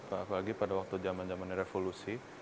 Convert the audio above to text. apalagi pada waktu zaman zaman revolusi